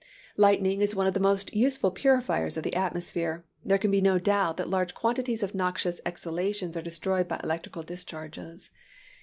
Lightning is one of the most useful purifiers of the atmosphere. There can be no doubt that large quantities of noxious exhalations are destroyed by electrical discharges.